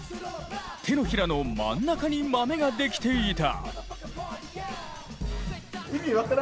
手のひらの真ん中にマメができていた。